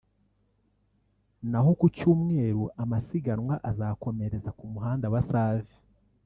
naho ku cyumweru amasiganwa azakomereza ku muhanda wa Save